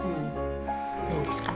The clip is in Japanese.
何ですか？